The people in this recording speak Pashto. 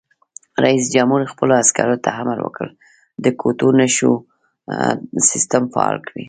رئیس جمهور خپلو عسکرو ته امر وکړ؛ د ګوتو نښو سیسټم فعال کړئ!